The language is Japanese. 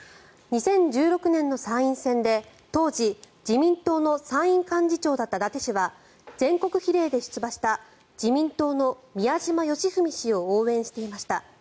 ２０１６年の参院選で当時、自民党の参院幹事長だった伊達氏は全国比例で出馬した自民党の宮島喜文氏を応援していました。